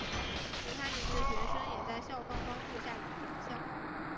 其他年级的学生也在校方帮助下转校。